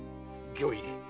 御意。